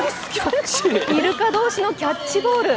いるか同士のキャッチボール。